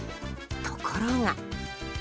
ところが。